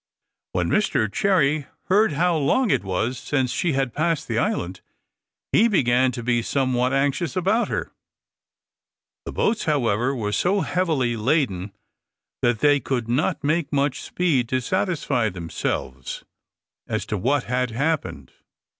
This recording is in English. When Mr Cherry heard how long it was since she had passed the island, he began to be somewhat anxious about her. The boats, however, were so heavily laden, that they could not make much speed to satisfy themselves as to what had happened.